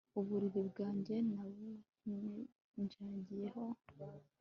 Uburiri bwanjye nabuminjagiyeho